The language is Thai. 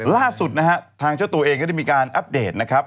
ล่าสุดนะฮะทางเจ้าตัวเองก็ได้มีการอัปเดตนะครับ